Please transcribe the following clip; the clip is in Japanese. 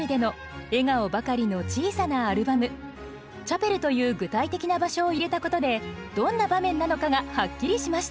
「チャペル」という具体的な場所を入れたことでどんな場面なのかがはっきりしました。